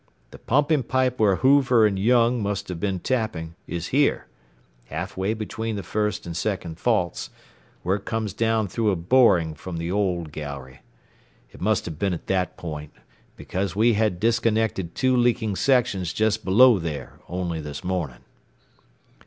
The pumping pipe where Hoover and Young must have been tapping is here, half way between the first and second faults, where it comes down through a boring from the old gallery. It must have been at that point, because we had disconnected two leaking sections just below there only this morning."